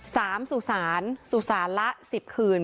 สามสุสานสุสานละ๑๐คืน